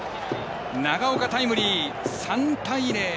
長岡、タイムリー、３対０。